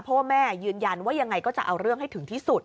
เพราะว่าแม่ยืนยันว่ายังไงก็จะเอาเรื่องให้ถึงที่สุด